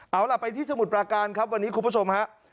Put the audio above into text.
เอาล่ะไปที่สมุทรปราการครับวันนี้คุณผู้ชมฮะ